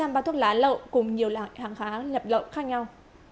tám trăm linh bao thuốc lá lậu cùng nhiều loại hàng hóa nhập lậu khác nhau